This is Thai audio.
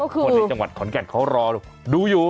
คนในจังหวัดขอนแก่นเขารอดูอยู่